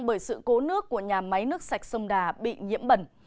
bởi sự cố nước của nhà máy nước sạch sông đà bị nhiễm bẩn